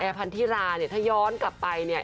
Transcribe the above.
พันธิราเนี่ยถ้าย้อนกลับไปเนี่ย